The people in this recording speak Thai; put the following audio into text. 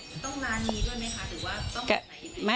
ต้องร้านนี้ด้วยไหมคะหรือว่าต้องแบบไหน